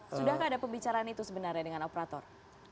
sudahkah ada pembicaraan itu sebenarnya dengan operator